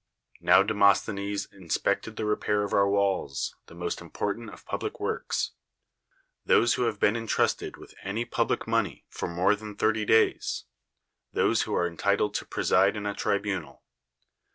Now De mosthenes inspected the repair of our walls, the most important of public works. "Those who have been intrusted with any public money 190 ^SCHINES for more than thirty days; those who are en titled to preside in a tribunal."